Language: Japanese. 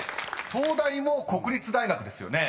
［東大も国立大学ですよね？］